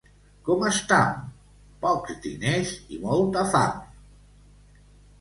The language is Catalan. —Com estam? —Pocs diners i molta fam!